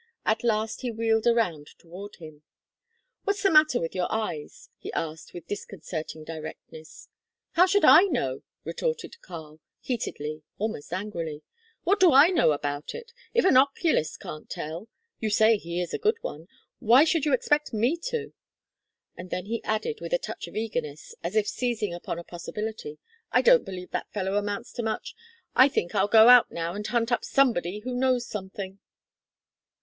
At last he wheeled around toward him. "What's the matter with your eyes?" he asked with disconcerting directness. "How should I know?" retorted Karl, heatedly, almost angrily. "What do I know about it? If an oculist can't tell you say he is a good one why should you expect me to?" And then he added with a touch of eagerness, as if seizing upon a possibility: "I don't believe that fellow amounts to much. I think I'll go out now and hunt up somebody who knows something."